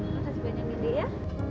makasih banyak gede ya